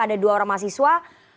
ada dua orang mahasiswa